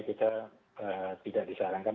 kita tidak disarankan